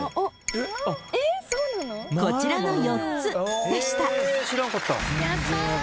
［こちらの４つでした］